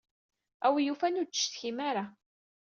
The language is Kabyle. A win yufan, ur d-ttcetkim ara.